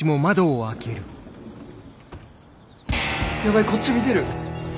やばいこっち見てる！